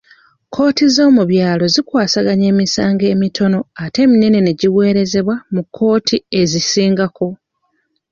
Kkooti z'omubyalo zikwasaganya emisango emitono ate eminene ne giweerezebwa mu kkooti ezisingako.